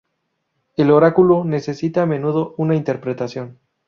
El oráculo necesita a menudo una interpretación.